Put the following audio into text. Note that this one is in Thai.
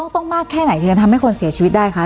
ต้องมากแค่ไหนที่จะทำให้คนเสียชีวิตได้คะ